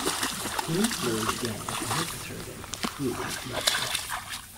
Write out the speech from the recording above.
He meets Lili again and convinces her that he truly loves her.